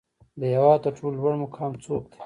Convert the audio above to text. د هیواد تر ټولو لوړ مقام څوک دی؟